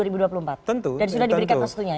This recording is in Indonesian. dan sudah diberikan restunya ya